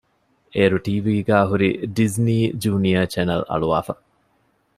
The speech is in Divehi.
އޭރު ޓީވީގައި ހުރީ ޑިޒްނީ ޖޫނިއަރ ޗެނެލް އަޅުވައިފަ